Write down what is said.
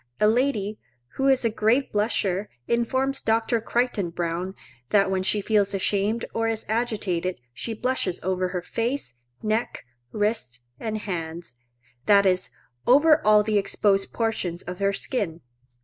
A lady, who is a great blusher, informs Dr. Crichton Browne, that when she feels ashamed or is agitated, she blushes over her face, neck, wrists, and hands,—that is, over all the exposed portions of her skin.